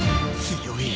強い。